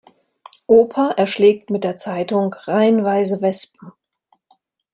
Opa erschlägt mit der Zeitung reihenweise Wespen.